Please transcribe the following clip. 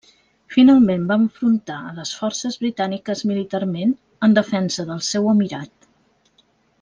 Finalment va enfrontar a les forces britàniques militarment en defensa del seu emirat.